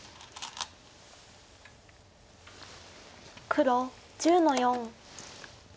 黒１０の四。